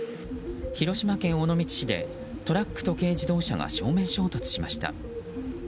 広島県尾道市でトラックと軽自動車が正面衝突しました。